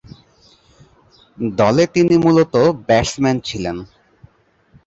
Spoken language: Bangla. দলে তিনি মূলতঃ ব্যাটসম্যান ছিলেন।